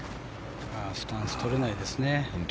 スタンスとれないですね。